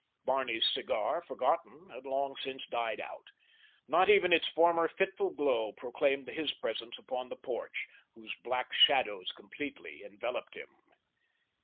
Barney's cigar, forgotten, had long since died out. Not even its former fitful glow proclaimed his presence upon the porch, whose black shadows completely enveloped him.